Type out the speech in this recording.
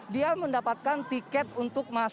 dia mendapatkan tiket untuk masuk